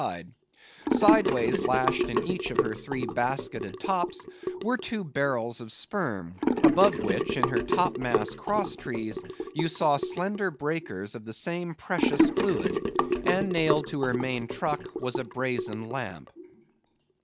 Sideways lashed in each of her three basketed tops were two barrels of sperm; above which, in her top mast cross trees, you saw slender breakers of the same precious fluid; and nailed to her main truck was a brazen lamp.